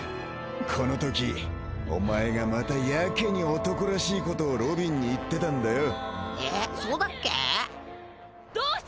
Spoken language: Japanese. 「このときお前がまたやけに男らしいことをロビンに言ってたんだよ」